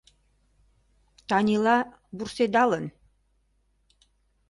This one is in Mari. — Танила вурседалын.